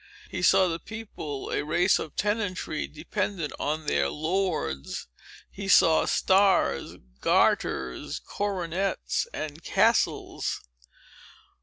He saw the people a race of tenantry, dependent on their lords. He saw stars, garters, coronets, and castles.